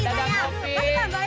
ari dia mau dagang